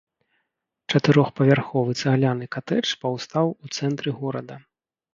Чатырохпавярховы цагляны катэдж паўстаў у цэнтры горада.